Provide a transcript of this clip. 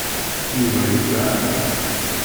Yuba yezha.